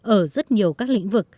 ở rất nhiều các lĩnh vực